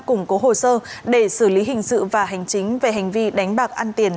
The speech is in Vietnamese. củng cố hồ sơ để xử lý hình sự và hành chính về hành vi đánh bạc ăn tiền